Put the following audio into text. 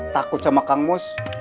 takut sama kang mus